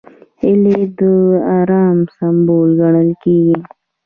هیلۍ د ارام سمبول ګڼل کېږي